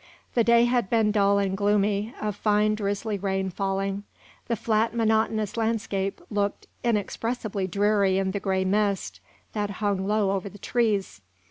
The day had been dull and gloomy a fine, drizzling rain falling. The flat, monotonous landscape looked inexpressibly dreary in the gray mist that hung low over the trees.